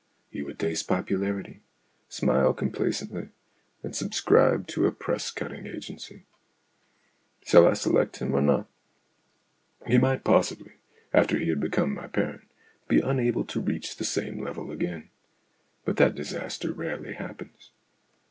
" He would taste popularity, smile complacently, and subscribe 44 STORIES IN GREY to a press cutting agency. Shall I select him or not? He might possibly, after he had become my parent, be unable to reach the same level again. But that disaster rarely happens.